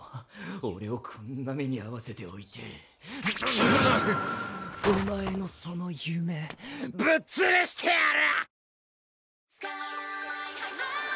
オレをこんな目にあわせておいてお前のその夢ぶっつぶしてやる！